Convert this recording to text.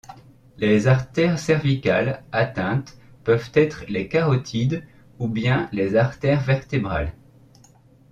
Les artères cervicales atteintes peuvent être les carotides ou bien les artères vertébrales.